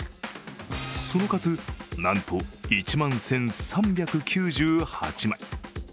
その数、なんと１万１３９８枚。